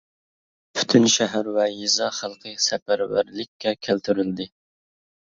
پۈتۈن شەھەر ۋە يېزا خەلقى سەپەرۋەرلىككە كەلتۈرۈلدى.